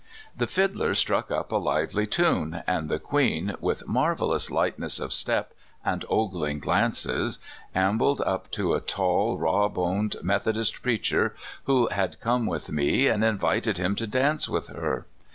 The fiddler struck up a lively tune, and the queen, with marvelous lightness of step and ogling glances, ambled up to a tall, raw boned Methodist preacher, who had come with me, and invited him to dance with her.